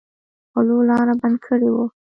غلو لاره بنده کړې وه.